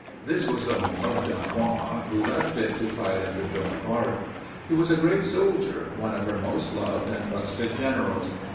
This was the home of Dunois, who left it to fight under Joan of Arc. He was a great soldier, one of her most loved and trusted generals.